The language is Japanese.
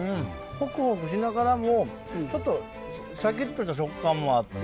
ホクホクしながらもちょっとシャキッとした食感もあって。